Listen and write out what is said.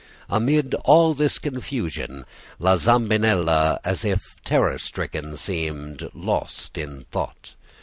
Amid all this confusion La Zambinella, as if terror stricken, seemed lost in thought.